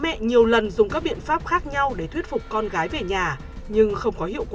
mặc dù bố mẹ nhiều lần dùng các biện pháp khác nhau để thuyết phục con gái về nhà nhưng không hữu quả